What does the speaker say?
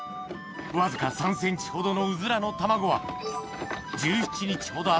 わずか３ｃｍほどのうずらの卵はあ！